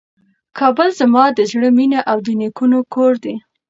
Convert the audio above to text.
کابل زما د زړه مېنه او د نیکونو کور دی.